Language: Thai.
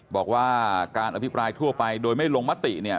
บอกว่าการอภิปรายทั่วไปโดยไม่ลงมติเนี่ย